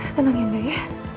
tenang ya nga ya